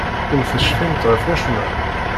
Ur tecfimt ɣef wacemma?